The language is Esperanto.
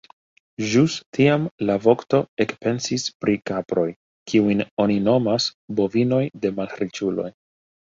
Ĵus tiam la vokto ekpensis pri kaproj, kiujn oni nomas bovinoj de malriĉuloj.